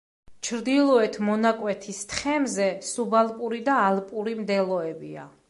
ჩრდილოეთ მონაკვეთის თხემზე სუბალპური და ალპური მდელოებია.